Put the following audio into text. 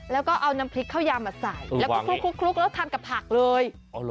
แล้วก็เอาน้ำพริกข้าวยามาใส่แล้วก็คลุกแล้วทานกับผักเลย